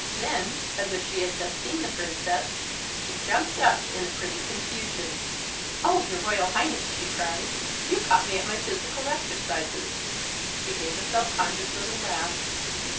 Then, as if she had just seen the Princess, she jumped up in a pretty confusion. "Oh, your Royal Highness," she cried, "you caught me at my physical exercises!" She gave a self conscious little laugh.